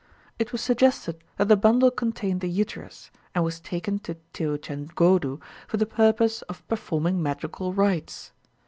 It was suggested that the bundle contained the uterus, and was taken to Tiruchengodu for the purpose of performing magical rites.